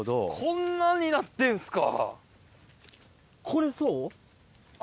こんなんになってんすか！